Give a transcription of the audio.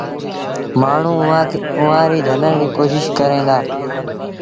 مآڻهوٚݩ اُئآݩ کي جھلن ري ڪوشيٚش ڪريݩ دآ ۔